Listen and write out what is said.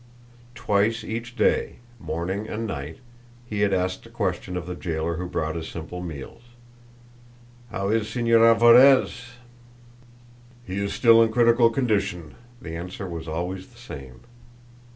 Twice each day, morning and night, he had asked a question of the jailer who brought his simple meals. "How is Señor Alvarez?" "He is still in a critical condition." The answer was always the same.